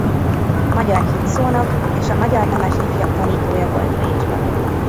Magyar hitszónok és a magyar nemes ifjak tanítója volt Bécsben.